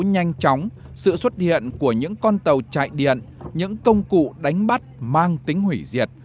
nhanh chóng sự xuất hiện của những con tàu chạy điện những công cụ đánh bắt mang tính hủy diệt